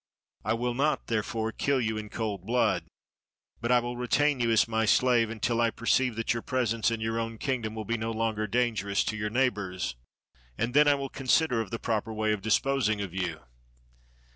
I will not therefore kill you in cold blood, but I will retain you as my slave, until I perceive that your presence in your own kingdom will be no longer dangerous to your neighbors; and then I will consider of the proper way of disposing of you."